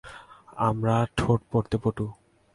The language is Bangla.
আমরা ঠোঁট পড়তে পটু।